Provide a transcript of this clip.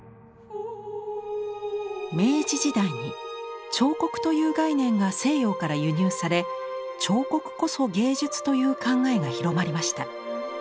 明治時代に彫刻という概念が西洋から輸入され彫刻こそ芸術という考えが広まりました。